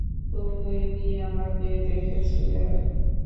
তুমি আমাকে দেখেছিলে।